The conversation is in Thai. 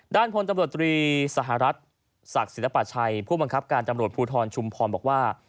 พลตำรวจตรีสหรัฐศักดิ์ศิลปชัยผู้บังคับการตำรวจภูทรชุมพรบอกว่า